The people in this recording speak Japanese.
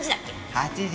８時。